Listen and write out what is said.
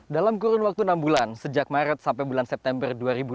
dalam kurun waktu enam bulan sejak maret sampai bulan september dua ribu dua puluh